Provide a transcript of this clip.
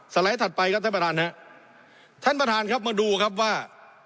ไลด์ถัดไปครับท่านประธานฮะท่านประธานครับมาดูครับว่า